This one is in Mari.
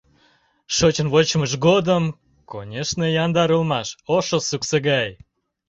— Шочын вочмыж годым, конешне, яндар улмаш, ошо — суксо гай.